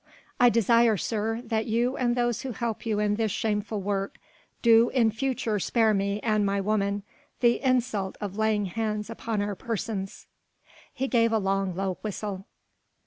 "I desire, sir, that you and those who help you in this shameful work, do in future spare me and my woman the insult of laying hands upon our persons." He gave a long, low whistle.